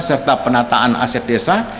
serta penataan aset desa